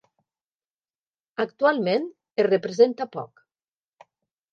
Actualment es representa poc.